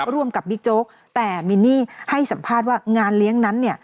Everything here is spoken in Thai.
ร่วมกับบิ๊กโจ๊กแต่มินนี่ให้สัมภาษณ์ว่างานเลี้ยงนั้น